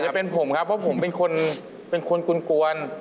ก็จะเป็นผมครับว่าผมเป็นคนคุ้นกวน